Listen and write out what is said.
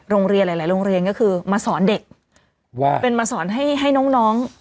โรงเรียนหลายหลายโรงเรียนก็คือมาสอนเด็กว่าเป็นมาสอนให้ให้น้องน้อง